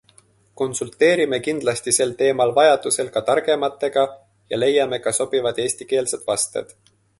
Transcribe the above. Konsulteerime kindlasti sel teemal vajadusel ka targematega ja leiame ka sobivad eestikeelsed vasted.